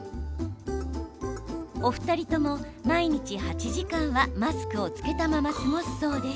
お二人とも毎日８時間はマスクを着けたまま過ごすそうです。